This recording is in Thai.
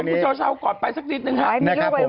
เอาข่าวก่อนไปสักนิดหนึ่งครับ